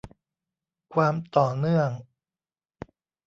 ความต่อเนื่อง